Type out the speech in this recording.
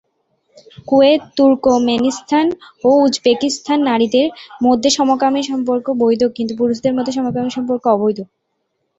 Kuwait, Turkmenistan ও উজবেকিস্তানে নারীদের মধ্যে সমকামী সম্পর্ক বৈধ কিন্তু পুরুষদের মধ্যে সমকামী সম্পর্ক অবৈধ।